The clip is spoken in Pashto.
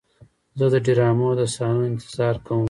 زه د ډرامو د صحنو انتظار کوم.